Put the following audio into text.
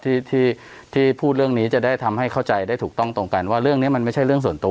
ที่ที่พูดเรื่องนี้จะได้ทำให้เข้าใจได้ถูกต้องตรงกันว่าเรื่องนี้มันไม่ใช่เรื่องส่วนตัว